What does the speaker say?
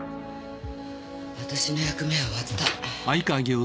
私の役目は終わった。